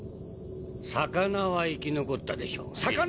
魚は生き残ったでしょうね。